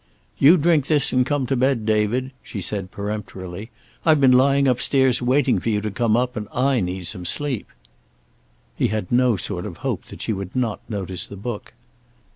"You drink this and come to bed, David," she said peremptorily. "I've been lying upstairs waiting for you to come up, and I need some sleep." He had no sort of hope that she would not notice the book.